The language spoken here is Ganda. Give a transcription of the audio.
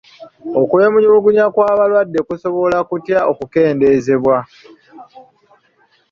Okwemulugunya kw'abalwadde kusobola kutya okukendeezebwa?